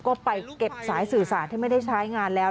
ก็ไปเก็บสายสื่อสารที่ไม่ได้ใช้งานแล้ว